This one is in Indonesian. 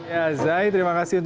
ya zai terima kasih